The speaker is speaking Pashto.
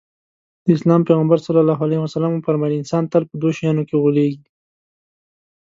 د اسلام پيغمبر ص وفرمايل انسان تل په دوو شيانو کې غولېږي.